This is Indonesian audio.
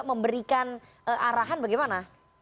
memberikan arahan bagaimana